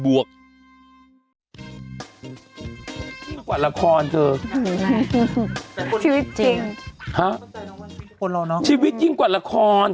บวกกว่าละครเธอชีวิตจริงฮะคนเราเนอะชีวิตยิ่งกว่าละคร